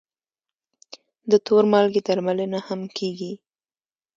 د تور مالګې درملنه هم کېږي.